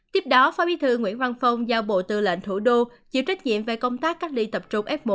tiếp đó phó bí thư nguyễn văn phong giao bộ tư lệnh thủ đô chịu trách nhiệm về công tác cách ly tập trung f một